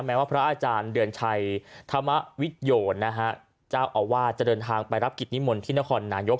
แม้ว่าพระอาจารย์เดือนชัยธรรมวิทโยนนะฮะเจ้าอาวาสจะเดินทางไปรับกิจนิมนต์ที่นครนายก